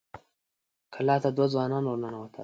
کلا ته دوه ځوانان ور ننوتل.